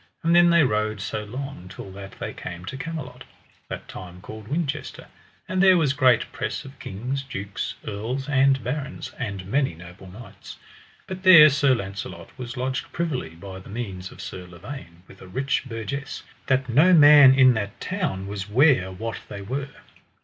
And then they rode so long till that they came to Camelot, that time called Winchester; and there was great press of kings, dukes earls, and barons, and many noble knights. But there Sir Launcelot was lodged privily by the means of Sir Lavaine with a rich burgess, that no man in that town was ware what they were.